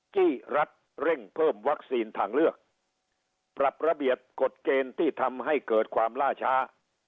ที่รัฐเร่งเพิ่มวัคซีนทางเลือกปรับระเบียบกฎเกณฑ์ที่ทำให้เกิดความล่าช้า